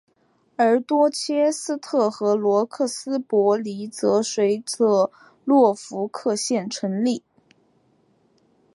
而多切斯特和罗克斯伯里则随着诺福克县成立。